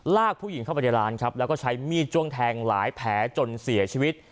ลากผู้หญิงเข้าไปในร้านครับแล้วก็ใช้มีดจ้วงแทงหลายแผลจนเสียชีวิต